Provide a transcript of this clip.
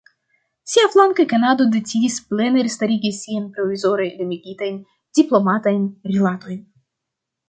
Siaflanke Kanado decidis plene restarigi siajn provizore limigitajn diplomatajn rilatojn.